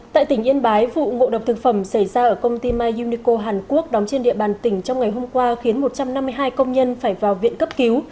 tại tỉnh yên bái vụ ngộ độc thực phẩm xảy ra ở công ty mai unico hàn quốc đóng trên địa bàn tỉnh trong ngày hôm qua khiến một trăm năm mươi hai công nhân phải vào viện cấp cứu